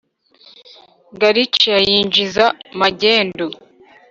garcia yinjiza magendu.